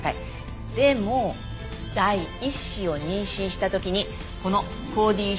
でも第一子を妊娠した時にこの抗Ｄヒト